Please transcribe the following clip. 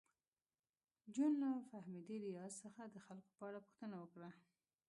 جون له فهمیدې ریاض څخه د خلکو په اړه پوښتنه وکړه